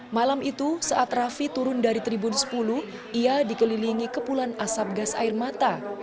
malam itu saat raffi turun dari tribun sepuluh ia dikelilingi kepulan asap gas air mata